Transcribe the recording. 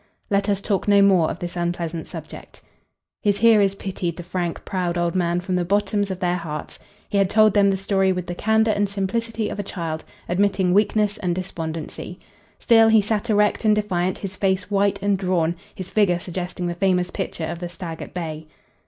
Let us talk no more of this unpleasant subject." His hearers pitied the frank, proud old man from the bottoms of their hearts. He had told them the story with the candor and simplicity of a child, admitting weakness and despondency. Still he sat erect and defiant, his face white and drawn, his figure suggesting the famous picture of the stag at bay.